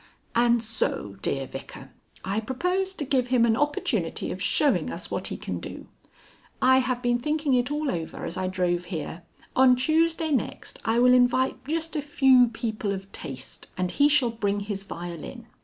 _)" "And so, dear Vicar, I propose to give him an opportunity of showing us what he can do. I have been thinking it all over as I drove here. On Tuesday next, I will invite just a few people of taste, and he shall bring his violin.